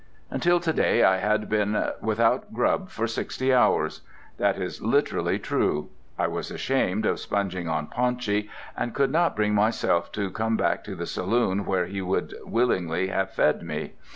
"Until to day I had been without grub for sixty hours. That is literally true. I was ashamed of sponging on Paunchy, and could not bring myself to come back to the saloon where he would willingly have fed me.